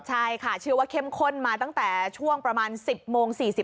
ใช่ค่ะชื่อว่าเข้มข้นมาตั้งแต่ช่วงประมาณ๑๐โมง๔๐